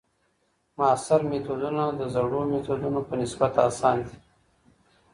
معاصر میتودونه د زړو میتودونو په نسبت اسان دي.